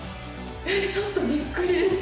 えっちょっとびっくりです